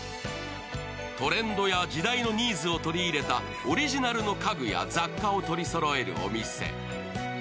トレンドや時代のニーズを取り入れたオリジナルの家具や雑貨を取りそろえるお店。